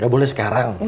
gak boleh sekarang